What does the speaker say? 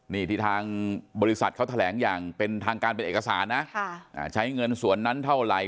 นี่ที่ทางบริษัทเขาแถลงอย่างเป็นทางการเป็นเอกสารนะใช้เงินส่วนนั้นเท่าไหร่